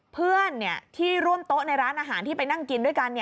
เพื่อนที่ร่วมโต๊ะในร้านอาหารที่ไปนั่งกินด้วยกัน